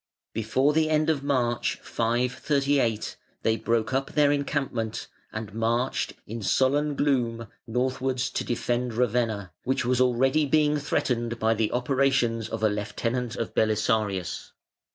Before the end of March, 538, they broke up their encampment, and marched, in sullen gloom, northwards to defend Ravenna, which was already being threatened by the operations of a lieutenant of Belisarius.